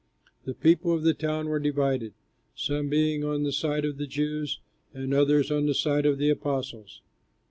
The people of the town were divided, some being on the side of the Jews and others on the side of the apostles.